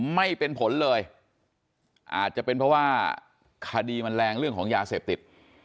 ไม่เป็นผลเลยอาจจะเป็นเพราะว่าคดีมันแรงเรื่องของยาเสพติด